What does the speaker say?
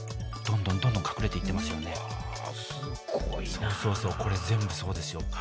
そうそうそうこれ全部そうですよ。